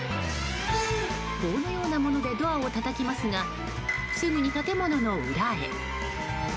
棒のようなものでドアをたたきますがすぐに建物の裏へ。